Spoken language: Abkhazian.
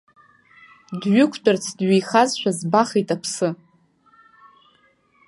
Дҩықәтәарц дҩеихазшәа збахит аԥсы.